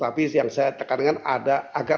tapi yang saya tekan dengan ada agak